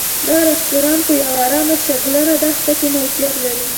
دا رسټورانټ په یوه ارامه شګلنه دښته کې موقعیت لري.